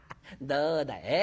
どうだい？